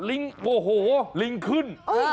ลิงโอ้โหลิงขึ้น